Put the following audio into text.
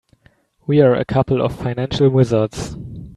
We're a couple of financial wizards.